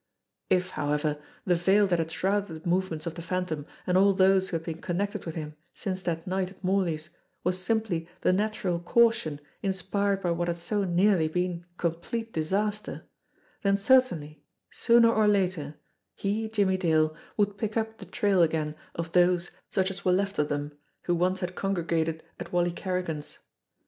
If, BEHIND DOORS OF THE UNDERWORLD 161 however, the veil that had shrouded the movements of the Phantom and all those who had been connected with him since that night at Morley's was simply the natural caution inspired by what had so nearly been complete disaster, then certainly, sooner or later, he, Jimmie Dale, would pick up the trail again of those, such as were left of them, who once had congregated at Wally Kerrigan's.